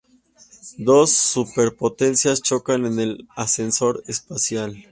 Dos superpotencias chocan en el ascensor espacial.